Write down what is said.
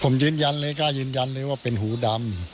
ผมยืนยันเลยกล้ายืนยันเลยว่าเป็นหูดำ